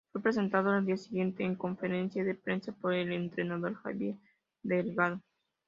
Fue presentado al día siguiente en conferencia de prensa por el entrenador Javier Delgado.